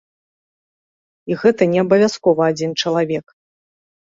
І гэта не абавязкова адзін чалавек.